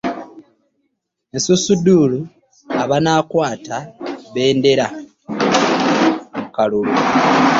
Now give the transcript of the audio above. Esunsuddr abanaakwata bbendera mu kalulu.